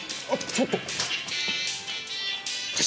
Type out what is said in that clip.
あっ。